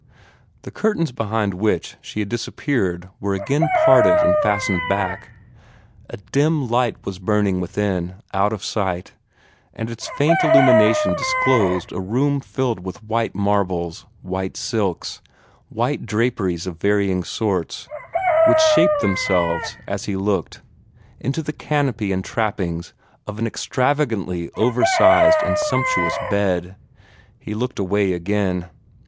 The curtains behind which she had disappeared were again parted and fastened back. A dim light was burning within, out of sight, and its faint illumination disclosed a room filled with white marbles, white silks, white draperies of varying sorts, which shaped themselves, as he looked, into the canopy and trappings of an extravagantly over sized and sumptuous bed. He looked away again.